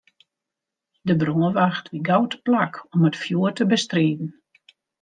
De brânwacht wie gau teplak om it fjoer te bestriden.